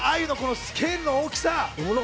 このスケールの大きさ。